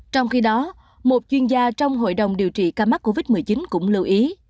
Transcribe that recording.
trong khi đó một chuyên gia trong hội đồng điều trị ca mắc covid một mươi chín cũng lưu ý